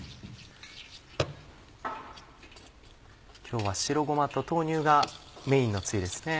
今日は白ごまと豆乳がメインのつゆですね。